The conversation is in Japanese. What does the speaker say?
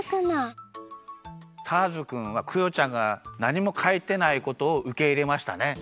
ターズくんはクヨちゃんがなにもかいてないことをうけいれましたね。